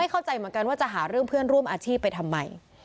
เข้าใจเหมือนกันว่าจะหาเรื่องเพื่อนร่วมอาชีพไปทำไม